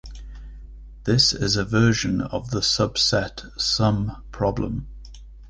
This is a version of the subset sum problem.